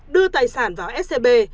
đưa tài sản vào scb